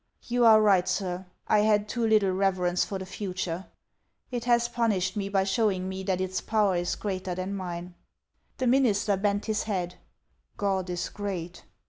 You are ri<>'ht, sir. I had too little reverence for the future , it has O * i punished me by showing me that its power is greater than mine." The minister bent his head. " God is great